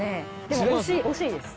でも惜しいです。